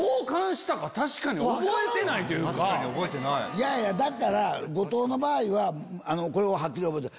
いやいやだから後藤の場合ははっきり覚えてる。